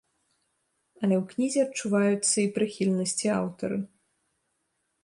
Але ў кнізе адчуваюцца і прыхільнасці аўтары.